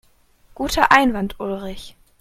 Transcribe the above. Guter Einwand, Ulrich.